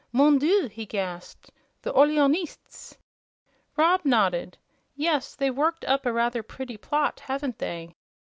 "MON DIEU!" he gasped; "the Orleanists!" Rob nodded. "Yes; they've worked up a rather pretty plot, haven't they?"